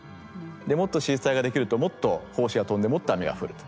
もっと子実体ができるともっと胞子が飛んでもっと雨が降ると。